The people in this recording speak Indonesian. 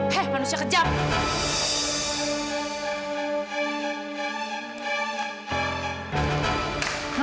hei manusia kejam